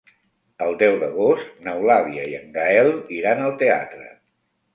El deu d'agost n'Eulàlia i en Gaël iran al teatre.